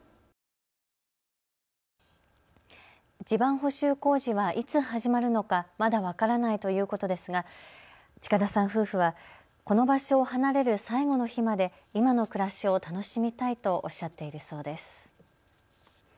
地盤補修工事はいつ始まるのかまだ分からないということですが近田さん夫婦はこの場所を離れる最後の日まで今の暮らしを楽しみたいとおっしゃっているそうです。